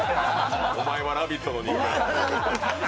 お前は「ラヴィット！」の人間だと。